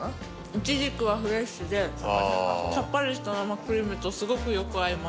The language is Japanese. いちじくはフレッシュでさっぱりした生クリームとすごくよく合います